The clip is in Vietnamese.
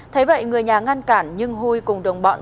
thế vậy người nhà ngăn cản nhưng huy cùng đồng bọn